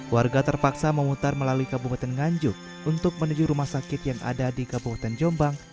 warga terpaksa memutar melalui kabupaten nganjuk untuk menuju rumah sakit yang ada di kabupaten jombang